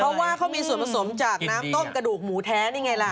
เพราะว่าเขามีส่วนผสมจากน้ำต้มกระดูกหมูแท้นี่ไงล่ะ